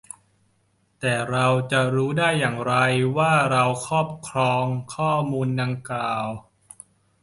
แต่เราจะรู้ได้อย่างไร ว่าเราครอบครองข้อมูลดังกล่าว ?